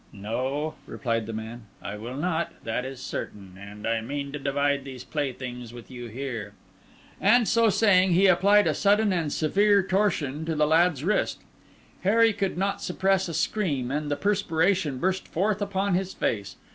"No," replied the man, "I will not, that is certain. And I mean to divide these playthings with you here." And so saying he applied a sudden and severe torsion to the lad's wrist. Harry could not suppress a scream, and the perspiration burst forth upon his face.